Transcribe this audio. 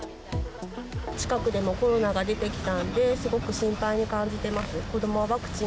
近くでもコロナが出てきたんで、すごく心配に感じてます。